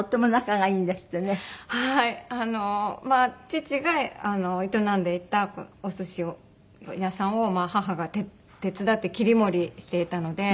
父が営んでいたお寿司屋さんを母が手伝って切り盛りしていたので。